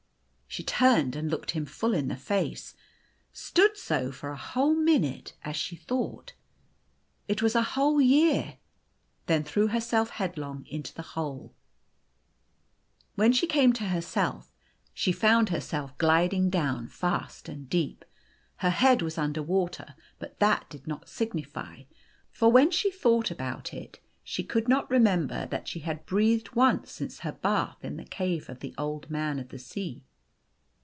She turned and looked him full in the face stood so for a whole minute, as she thought : it was a whole O year then threw herself headlong into the hole. The Golden Key 205 When she came to herself, she found herself gliding down fast and deep. Her head was under water, but that did not signify, for, when she thought about it she could not remember that she had breathed once since her bath in the cave of the Old Man of the Sea.